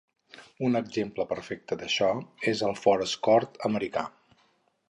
Un exemple perfecte d'això és el Ford Escort americà.